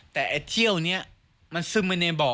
แต่ไอ้เที่ยวเนี่ยมันซึมไปในบอก